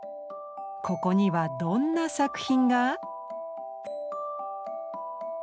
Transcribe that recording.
ここにはどんな作品が？